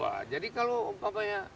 wah jadi kalau umpamanya